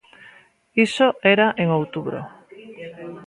Iso era en Outubro.